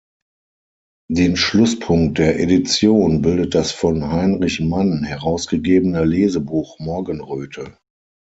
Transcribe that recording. Den Schlusspunkt der Edition bildet das von Heinrich Mann herausgegebene Lesebuch „Morgenröte“.